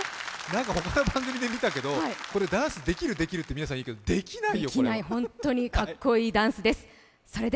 何かほかの番組で見たけど、これ、ダンス、できる、できるって皆さん言うけど、できない、本当にかっこいいダンスです。